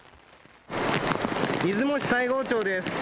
出雲市西郷町です。